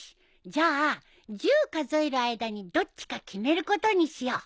じゃあ１０数える間にどっちか決めることにしよう。